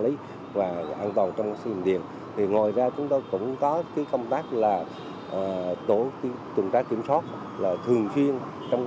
lý và an toàn trong xây dựng điện ngồi ra chúng ta cũng có công tác tổ kiểm soát thường xuyên trong